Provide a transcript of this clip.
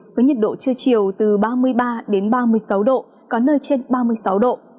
với nhiệt độ trưa chiều từ ba mươi ba đến ba mươi sáu độ có nơi trên ba mươi sáu độ